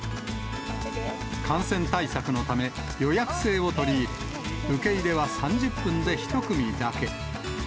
感染対策のため、予約制を取り、受け入れは３０分で１組だけ。